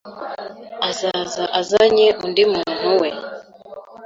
Azaza azanye undi mumtu we